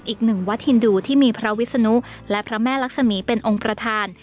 อีกหนึ่งวัดฮินดูที่มีพระวิศนุและพระแม่ลักษมีเป็นองค์ประธาน